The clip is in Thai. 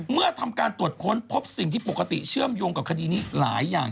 เมื่อทำการตรวจค้นพบสิ่งที่ปกติเชื่อมโยงกับคดีนี้หลายอย่าง